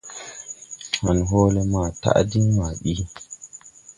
Han hoole maa taʼ din maa bi.